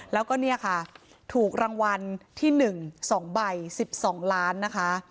แล้วก็เนี้ยค่ะถูกรางวัลที่หนึ่งสองใบสิบสองล้านนะคะ